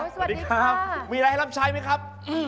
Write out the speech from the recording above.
สวัสดีครับมีอะไรให้รับใช้ไหมครับ